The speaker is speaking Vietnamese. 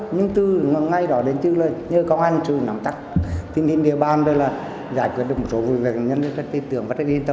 nhưng từ ngày đó đến chứ lời như công an trừ nắm tắt tính như địa bàn đây là giải quyết được một số vụ